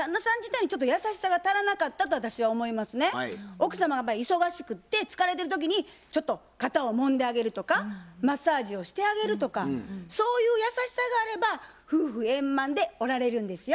奥様が忙しくって疲れてる時にちょっと肩をもんであげるとかマッサージをしてあげるとかそういう優しさがあれば夫婦円満でおられるんですよ。